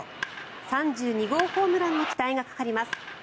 ３２号ホームランの期待がかかります。